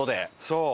そう。